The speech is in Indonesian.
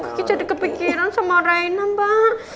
kiki jadi kepikiran sama rena mbak